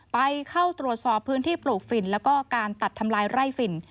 ไปเข้าตรวจสอบพื้นที่ปลูกฝิ่นแล้วก็การตัดทำลายไร่ฝิ่น